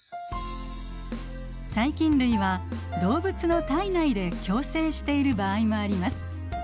細菌類は動物の体内で共生している場合もあります。